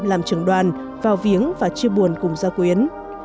làm trưởng đoàn vào viếng và chia buồn cùng gia quyến